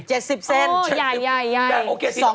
๗๐เซนติเซนโอ้ใหญ่